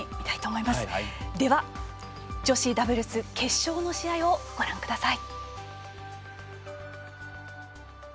では、女子ダブルス決勝の試合をご覧ください。